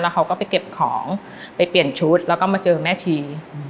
เขาก็ไปเก็บของไปเปลี่ยนชุดแล้วก็มาเจอแม่ชี